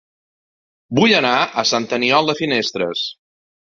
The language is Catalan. Vull anar a Sant Aniol de Finestres